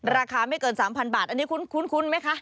ราคาไม่เกิน๓๐๐บาทอันนี้คุ้นไหมคะ